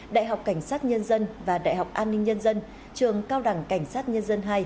đại học cảnh sát nhân dân và đại học an ninh nhân dân trường cao đẳng cảnh sát nhân dân hai